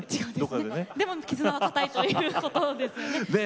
でも絆は堅いということですね。